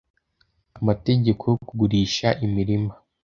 amategeko yo kugurisha imirima '